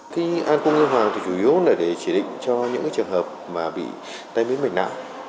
khi an cung ngư hoàng thì chủ yếu là để chỉ định cho những trường hợp mà bị tay mít bệnh nạ